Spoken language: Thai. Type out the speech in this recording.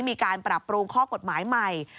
มีการปรับปรุงข้อกฎหมายใหม่